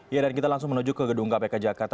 ya dan kita langsung menuju ke gedung kpk jakarta